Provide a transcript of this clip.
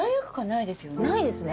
ないですね。